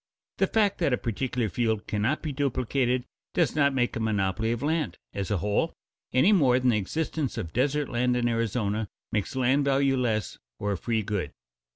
The fact that a particular field cannot be duplicated does not make a monopoly of land as a whole, any more than the existence of desert land in Arizona makes land valueless or a free good.